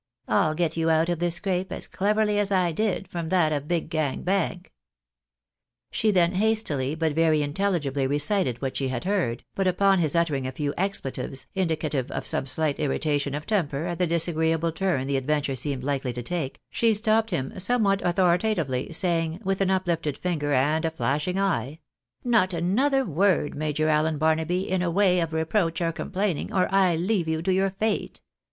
I'll get you out of this scrape, as cleverly as I did from that of Big Gang Bank." She then hastily but very inteUigibly recited what she had heard, but upon his uttering a few expletives, indicative of some sUght irritation of temper at the disagreeable turn the adventure seemed likely to take, she stopped him somewhat authoritatively, saying, with an uplifted finger and a flashing eye —" ISTot another word, Major Allen Barnaby, in the way o£ reproach or complaining, or I leave you to your fate